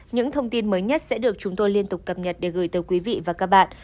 những thông tin mới nhất sẽ được chúng tôi liên tục cập nhật để gửi tới quý vị và các bạn